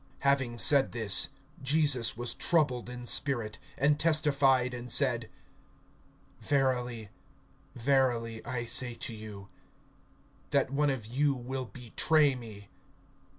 (21)Having said this, Jesus was troubled in spirit, and testified and said: Verily, verily, I say to you, that one of you will betray me.